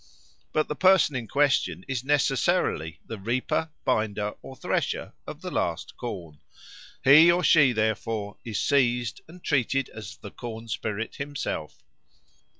But the person in question is necessarily the reaper, binder, or thresher of the last corn. He or she, therefore, is seized and treated as the corn spirit himself.